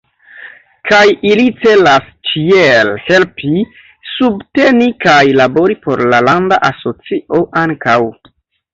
Kaj ili celas ĉiel helpi, subteni kaj labori por la landa asocio ankaŭ.